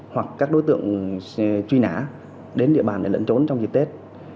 hoặc các đối tượng truy nã đến địa bàn để lận trốn trong dịp tết